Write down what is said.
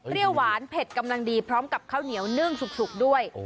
หวานเผ็ดกำลังดีพร้อมกับข้าวเหนียวนึ่งสุกด้วย